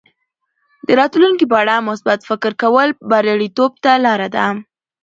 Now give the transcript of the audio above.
د راتلونکي په اړه مثبت فکر کول بریالیتوب ته لاره ده.